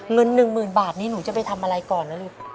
เงินหนึ่งหมื่นบาทนี่หนูจะไปทำอะไรก่อนนะลูก